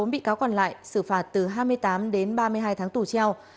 một mươi bị cáo còn lại xử phạt từ hai mươi tám đến ba mươi hai tháng tù treo